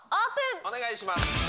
お願いします。